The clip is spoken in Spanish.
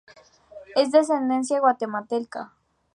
Es de ascendencia guatemalteca.